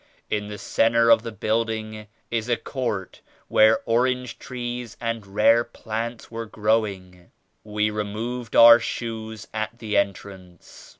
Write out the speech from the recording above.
In the centre of the building is a court where orange trees and rare plants were growing. We re moved our shoes at the entrance.